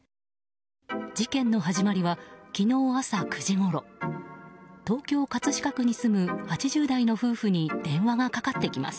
事件の始まりは昨日朝９時ごろ東京・葛飾区に住む８０代の夫婦に電話がかかってきます。